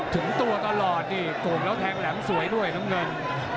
ถึงตัวตลอดนี่โก่งแล้วแทงแหลมสวยด้วยน้ำเงิน